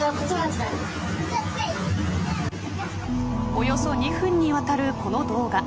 およそ２分にわたるこの動画。